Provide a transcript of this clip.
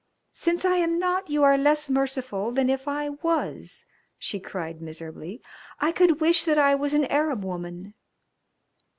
"Since I am not you are less merciful than if I was," she cried miserably. "I could wish that I was an Arab woman."